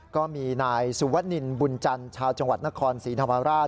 ก็มีนายสุวนินบุญจันทร์ชาวจังหวัดนครศรีธรรมราช